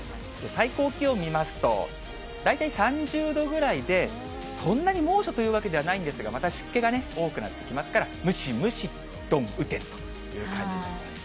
最高気温見ますと、大体３０度ぐらいで、そんなに猛暑というわけではないんですが、また湿気が多くなってきますから、ムシムシ曇雨天という感じになります。